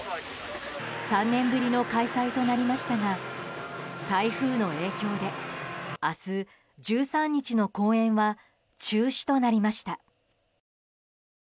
３年ぶりの開催となりましたが台風の影響で明日、１３日の公演は中止となりました。